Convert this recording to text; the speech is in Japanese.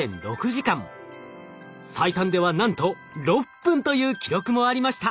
最短ではなんと６分という記録もありました。